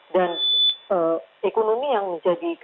dan ekonomi yang menjadi pemicu